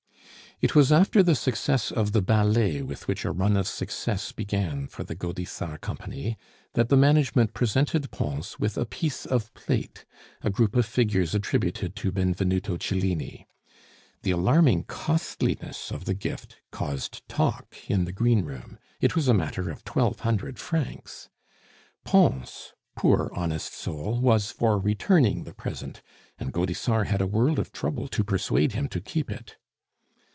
It was after the success of the ballet with which a run of success began for the Gaudissart Company that the management presented Pons with a piece of plate a group of figures attributed to Benvenuto Cellini. The alarming costliness of the gift caused talk in the green room. It was a matter of twelve hundred francs! Pons, poor honest soul, was for returning the present, and Gaudissart had a world of trouble to persuade him to keep it.